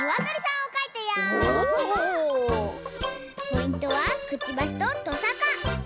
ポイントはくちばしととさか！